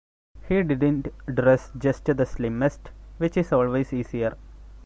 He didn't dress just the slimmest, which is always easier.